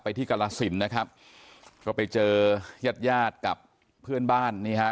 ที่กรสินนะครับก็ไปเจอญาติญาติกับเพื่อนบ้านนี่ฮะ